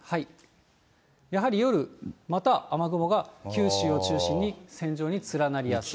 やはり夜、また雨雲が九州を中心に線状に連なりやすい。